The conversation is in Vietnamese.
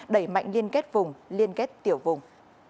đẩy mạnh liên kết vùng liên kết tiểu vùng